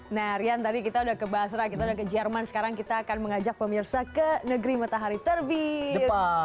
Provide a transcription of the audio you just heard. nah rian tadi kita udah ke basra kita udah ke jerman sekarang kita akan mengajak pemirsa ke negeri matahari terbit